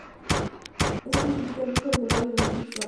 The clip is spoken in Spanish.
Eso facilita el uso y el fallo de muchos usuarios.